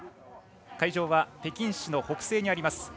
会場は北京市の北西にあります